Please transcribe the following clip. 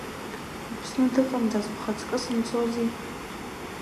Аԥсны дыҟандаз бхаҵкы сымцози.